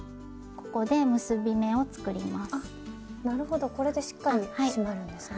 これでしっかり締まるんですね。